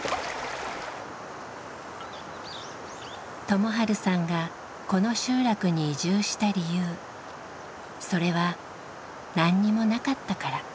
友治さんがこの集落に移住した理由それは何にもなかったから。